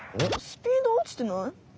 スピードおちてない？